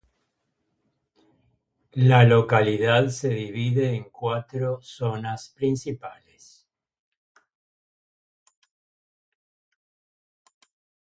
La localidad se divide en cuatro zonas principales.